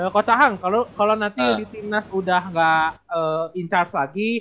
coach ahang kalau nanti di timnas udah nggak in charge lagi